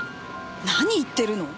何言ってるの？